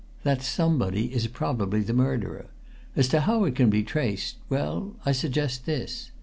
That somebody is probably the murderer. As to how it can be traced well, I suggest this.